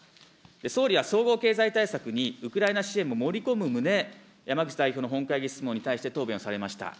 総理は総合経済対策に、ウクライナ支援も盛り込む旨、山口代表の本会議質問について答弁をされました。